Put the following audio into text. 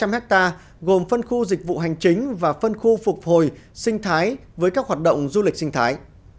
một trăm linh hectare gồm phân khu dịch vụ hành chính và phân khu phục hồi sinh thái với các hoạt động du lịch sinh thái